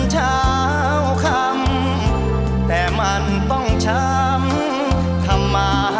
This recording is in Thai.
ช่วยฝังดินหรือกว่า